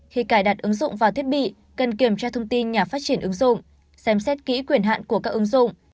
khi cài đặt ứng dụng vào thiết bị cần kiểm tra thông tin nhà phát triển ứng dụng xem xét kỹ quyền hạn của các ứng dụng